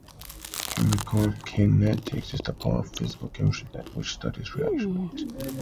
Chemical kinetics is the part of physical chemistry that studies reaction rates.